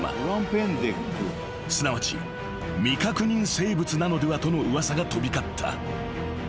［すなわち未確認生物なのではとの噂が飛び交った］